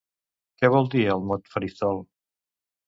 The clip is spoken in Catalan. Què vol dir el mot faristol?